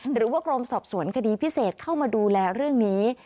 หรือว่ากรมสอบสวนคดีพิเศษเข้ามาดูแลเรื่องนี้